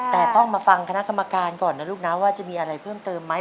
แต่ต้องมาฟังคณะกรรมการก่อนนะลูกนะว่าจะมีอะไรเพิ่มเติมไหม